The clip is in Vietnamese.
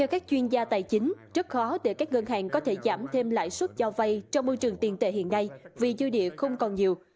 các ngân hàng có thể giảm thêm lãi suất cho vay trong môi trường tiền tệ hiện nay vì dư địa không còn nhiều